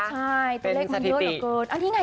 ใช่ตัวเลขมันเลือดเหลือเกินเป็นสถิติ